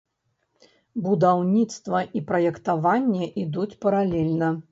Будаўніцтва і праектаванне ідуць паралельна.